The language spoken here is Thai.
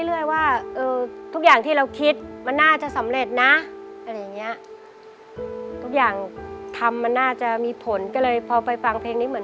ความฝันที่เราเฝ้ารอลูกขอพยายามทรงมือ